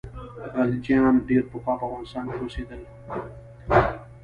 خلجیان ډېر پخوا په افغانستان کې اوسېدل.